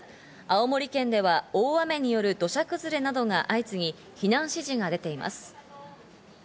青森県では大雨による土砂崩れなどが相次ぎ、避難指示が出ています。